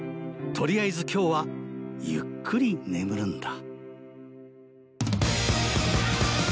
とりあえず今日はゆっくり眠るんだ